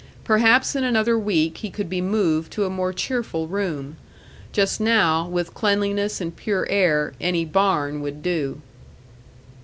Perhaps in another week he could be moved to a more cheerful room. Just now, with cleanliness and pure air, any barn would do.